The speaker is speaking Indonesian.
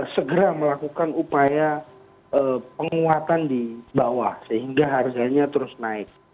segera melakukan upaya penguatan di bawah sehingga harganya terus naik